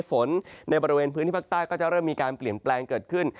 ฝนในบริเวณพื้นที่ภาคใต้ก็จะเริ่มมีการเปลี่ยนแปลงเกิดขึ้น